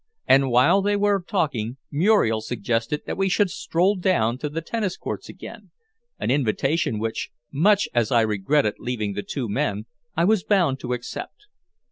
And while they were talking Muriel suggested that we should stroll down to the tennis courts again, an invitation which, much as I regretted leaving the two men, I was bound to accept.